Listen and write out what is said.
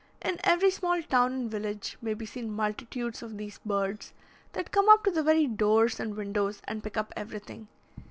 In every small town and village may be seen multitudes of these birds, that come up to the very doors and windows and pick up everything.